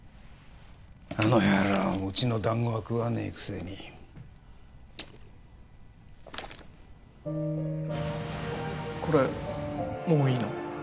あの野郎うちの団子は食わねえくせにこれもういいの？